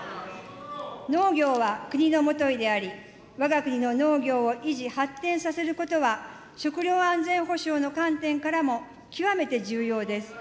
農業は国の基であり、わが国の農業を維持、発展させることは食料安全保障の観点からも極めて重要です。